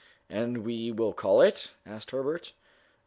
"And we will call it? " asked Herbert.